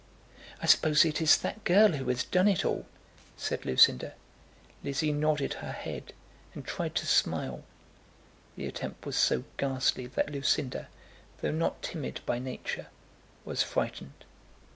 "I suppose it is that girl who has done it all," said Lucinda. Lizzie nodded her head, and tried to smile. The attempt was so ghastly that Lucinda, though not timid by nature, was frightened.